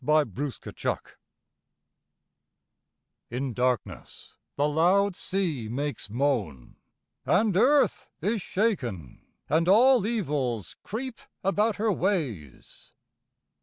The Charm In darkness the loud sea makes moan; And earth is shaken, and all evils creep About her ways.